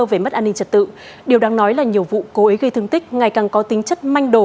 về mất an ninh trật tự điều đáng nói là nhiều vụ cố ý gây thương tích ngày càng có tính chất manh đồ